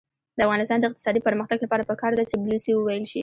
د افغانستان د اقتصادي پرمختګ لپاره پکار ده چې بلوڅي وویل شي.